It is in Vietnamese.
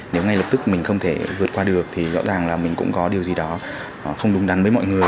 nếu ngay lập tức mình không thể vượt qua được thì rõ ràng là mình cũng có điều gì đó không đúng đắn với mọi người